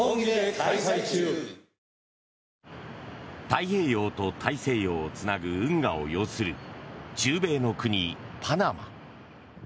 太平洋と大西洋をつなぐ運河を擁する中米の国、パナマ。